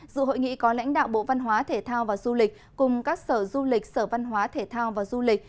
dự hội nghị có lãnh đạo bộ văn hóa thể thao và du lịch cùng các sở du lịch sở văn hóa thể thao và du lịch